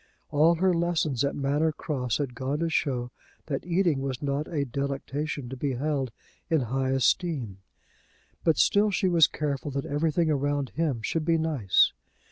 All her lessons at Manor Cross had gone to show that eating was not a delectation to be held in high esteem. But still she was careful that everything around him should be nice.